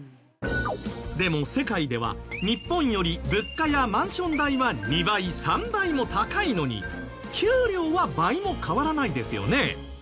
でも世界では日本より物価やマンション代は２倍３倍も高いのに給料は倍も変わらないですよね。